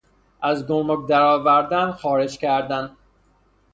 از گمرک در آوردن خارج کردن